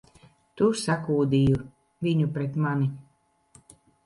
Tu sakūdīji viņu pret mani!